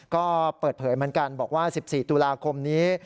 ก็เปิดเผยเหมือนกันบอกว่า๑๔ตุลาคมนี้